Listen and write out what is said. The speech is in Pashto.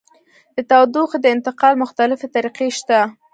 د تودوخې د انتقال مختلفې طریقې شته.